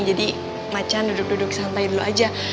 jadi macan duduk duduk santai dulu aja